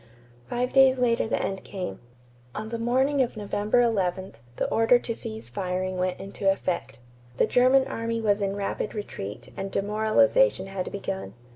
Five days later the end came. On the morning of November 11, the order to cease firing went into effect. The German army was in rapid retreat and demoralization had begun.